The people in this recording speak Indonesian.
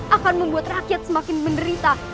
akan membuat rakyat semakin menderita